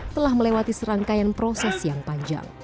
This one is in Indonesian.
telah melewati serangkaian proses yang panjang